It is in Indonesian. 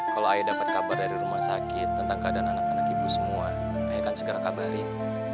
kalau ayah dapat kabar dari rumah sakit tentang keadaan anak anak ibu semua ayah akan segera kabarin